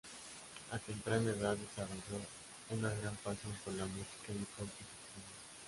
A temprana edad desarrolló una gran pasión por la música y deportes extremos.